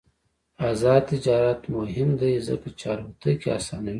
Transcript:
آزاد تجارت مهم دی ځکه چې الوتکې اسانوي.